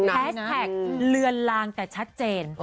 แท็กเลือนลางแต่ชัดเจน